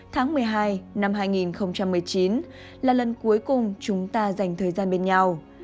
tháng một mươi hai năm hai nghìn một mươi chín là lần cuối cùng chúng ta dành thời gian bên nhau